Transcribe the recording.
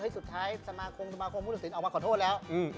เฮ้ยสุดท้ายสมาคมสมาคมภูมิสินทร์ออกมาขอโทษแล้ว